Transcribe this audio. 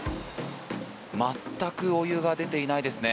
全くお湯が出ていないですね。